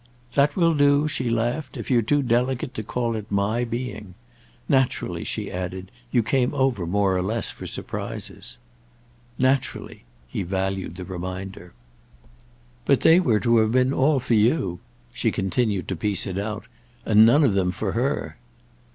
"That will do," she laughed, "if you're too delicate to call it my being! Naturally," she added, "you came over more or less for surprises." "Naturally!"—he valued the reminder. "But they were to have been all for you"—she continued to piece it out—"and none of them for her."